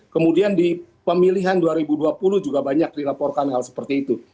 kemudian di pemilihan dua ribu dua puluh juga banyak dilaporkan hal seperti itu